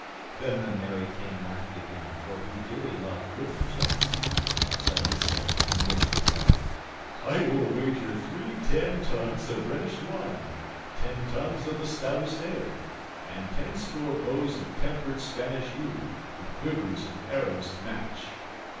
Then the merry King laughed again, for he dearly loved goodly jest; so he said, amidst his laughter, "I will wager thee ten tuns of Rhenish wine, ten tuns of the stoutest ale, and tenscore bows of tempered Spanish yew, with quivers and arrows to match."